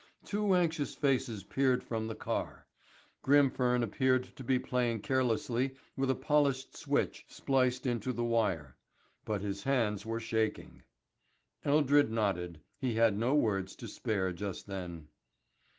Two anxious faces peered from the car. Grimfern appeared to be playing carelessly with a polished switch spliced into the wire. But his hands were shaking. Eldred nodded. He had no words to spare just then.